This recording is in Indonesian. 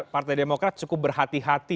pkb cukup berhati hati